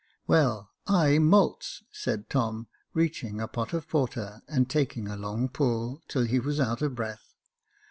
"Well, I malts," said Tom, reaching a pot of porter, and taking a long pull, till he was out of breath.